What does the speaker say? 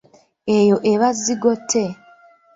Eyo eba zigote.